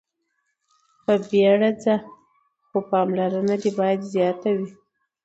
په بيړه ځه خو پاملرنه دې باید زياته وي.